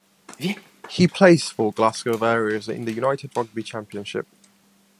He plays for Glasgow Warriors in the United Rugby Championship.